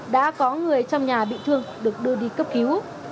đã có người trong nhà bị thương được đưa đi cấp cứu